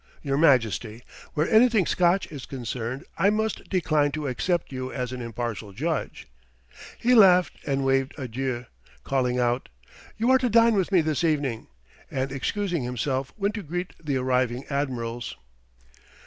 "Your Majesty, where anything Scotch is concerned, I must decline to accept you as an impartial judge." He laughed and waved adieu, calling out: "You are to dine with me this evening" and excusing himself went to greet the arriving admirals.